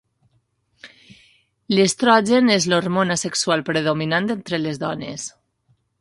L'estrogen és l'hormona sexual predominant entre les dones.